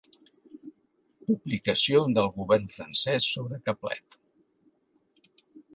Publicació del Govern francès sobre Caplet.